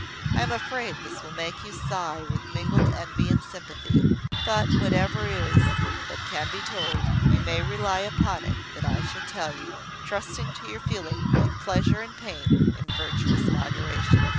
I am afraid this will make you sigh with mingled envy and sympathy; but whatever is that can be told, you may rely upon it that I shall tell you, trusting to your feeling both pleasure and pain in virtuous moderation.